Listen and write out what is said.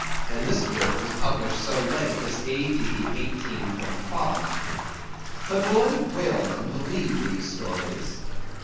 And this work was published so late as A.D. 1825. But will any whaleman believe these stories?